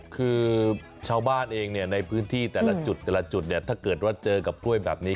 คือชาวบ้านเองในพื้นที่แต่ละจุดแต่ละจุดเนี่ยถ้าเกิดว่าเจอกับกล้วยแบบนี้